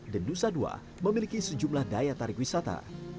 dendusa ii memiliki sejumlah daya tarik wisata